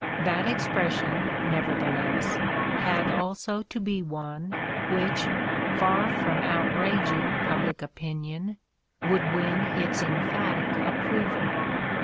That expression, nevertheless, had also to be one which, far from outrag ing public opinion, would win its emphatic approval.